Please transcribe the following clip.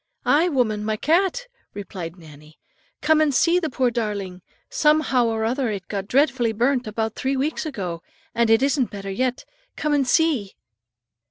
"Aye, woman, my cat," replied Nannie; "come and see the poor darling. Somehow or other it got dreadfully burnt, about three weeks ago, and it isn't better yet; come and see."